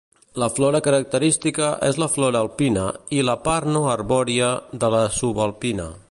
La flora característica és la flora alpina i la part no arbòria de la subalpina.